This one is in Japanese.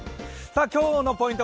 今日のポイント